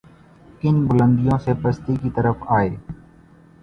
کن بلندیوں سے پستی کی طرف آئے۔